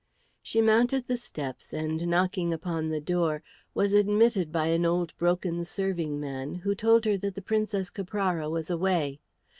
She mounted the steps, and knocking upon the door was admitted by an old broken serving man, who told her that the Princess Caprara was away.